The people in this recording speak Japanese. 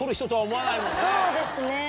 そうですね。